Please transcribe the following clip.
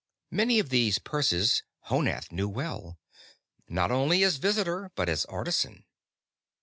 Many of these purses Honath knew well, not only as visitor but as artisan.